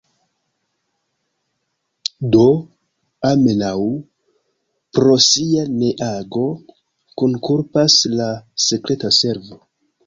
Do, almenaŭ pro sia ne-ago, kunkulpas la sekreta servo.